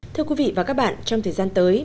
thưa quý vị và các bạn trong thời gian tới